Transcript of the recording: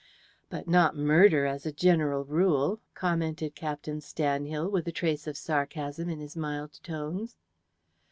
"But not murder, as a general rule," commented Captain Stanhill, with a trace of sarcasm in his mild tones.